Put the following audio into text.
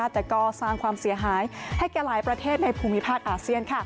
แต่ก็สร้างความเสียหายให้แก่หลายประเทศในภูมิภาคอาเซียน